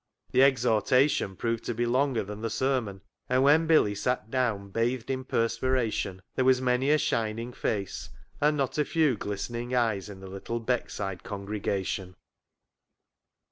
The exhorta tion proved to be longer than the sermon, and when Billy sat down bathed in perspiration there was many a shining face and not a few glistening eyes in the little Beckside congregation.